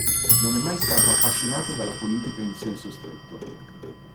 Non è mai stato affascinato dalla politica, in senso stretto.